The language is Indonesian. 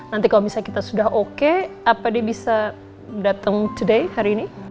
nanti kalau misalnya kita sudah oke apa dia bisa datang to day hari ini